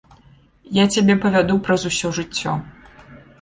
Я цябе павяду праз усё жыццё.